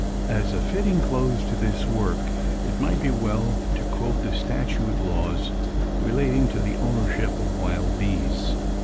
As a fitting close to this work it might be well to quote the statute laws relating to the ownership of wild bees.